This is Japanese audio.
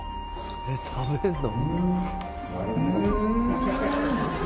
えっ食べんの？